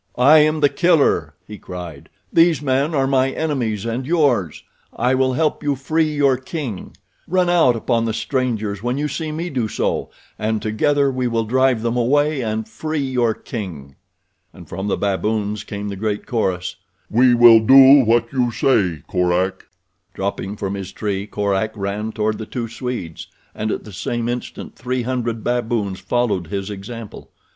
"I am The Killer," he cried. "These men are my enemies and yours. I will help you free your king. Run out upon the strangers when you see me do so, and together we will drive them away and free your king." And from the baboons came a great chorus: "We will do what you say, Korak." Dropping from his tree Korak ran toward the two Swedes, and at the same instant three hundred baboons followed his example.